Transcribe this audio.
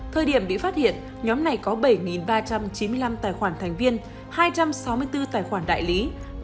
thời điểm bị phát hiện nhóm này có bảy ba trăm chín mươi năm tài khoản thành viên hai trăm sáu mươi bốn tài khoản đại lý